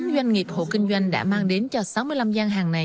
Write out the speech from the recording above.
năm mươi bốn doanh nghiệp hộ kinh doanh đã mang đến cho sáu mươi năm giang hàng này